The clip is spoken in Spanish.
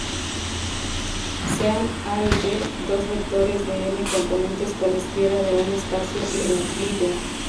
Sean a y b dos vectores de n componentes cualesquiera de un espacio euclídeo.